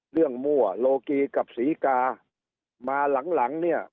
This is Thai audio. เรื่องมั่วโลกีกับศรีกามาหลังเนี่ย